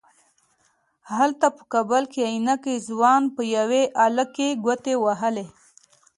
هلته په کابل کې عينکي ځوان په يوې آلې کې ګوتې وهلې.